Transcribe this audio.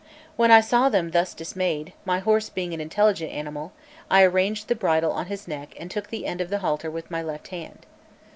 When I saw them thus dismayed, my horse being an intelligent animal, I arranged the bridle on his neck and took the end of the halter with my left hand.